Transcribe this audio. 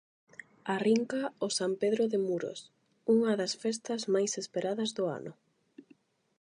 Arrinca o San Pedro de Muros, unha das festas máis esperadas do ano.